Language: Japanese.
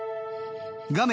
画面